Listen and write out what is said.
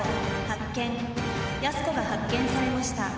やす子が発見されました。